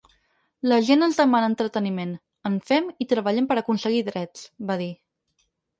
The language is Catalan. La gent ens demana entreteniment, en fem i treballem per aconseguir drets, va dir.